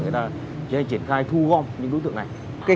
để chúng ta triển khai thu gom những đối tượng này